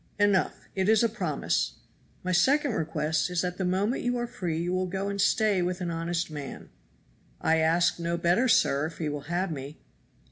"Enough, it is a promise. My second request is that the moment you are free you will go and stay with an honest man." "I ask no better, sir, if he will have me."